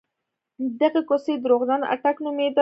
د دغې کوڅې درواغجن اټک نومېده.